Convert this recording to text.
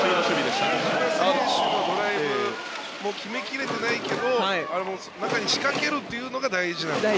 ドライブも決め切れていないけど中に仕掛けるというのが大事なんですね。